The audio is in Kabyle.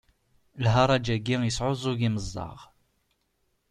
Lharaǧ-agi yesɛuẓug imeẓaɣ